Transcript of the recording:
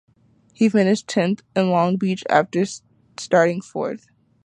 He finished tenth in Long Beach after starting fourth.